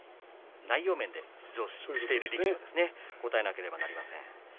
内容面で出場している力士がこたえなければなりません。